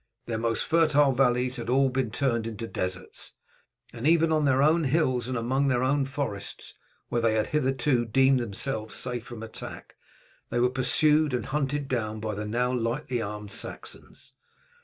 Their most fertile valleys had all been turned into deserts, and even on their own hills and among their own forests, where they had hitherto deemed themselves safe from attack, they were pursued and hunted down by the now lightly armed Saxons.